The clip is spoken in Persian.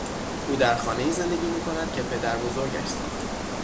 او در خانهای زندگی میکند که پدر بزرگش ساخت.